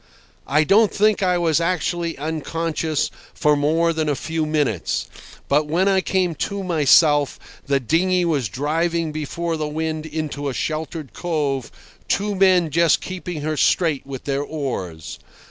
I don't think I was actually unconscious for more than a few minutes, but when I came to myself the dinghy was driving before the wind into a sheltered cove, two men just keeping her straight with their oars.